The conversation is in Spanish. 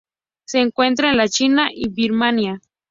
Se encuentra en la China y Birmania.